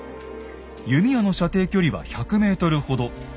弓矢の射程距離は１００ｍほど。